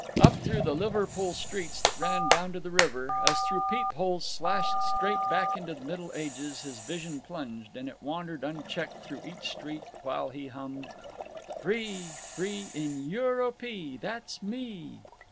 Up through the Liverpool streets that ran down to the river, as though through peep holes slashed straight back into the Middle Ages, his vision plunged, and it wandered unchecked through each street while he hummed: "Free, free, in Eu ro pee, that's _me!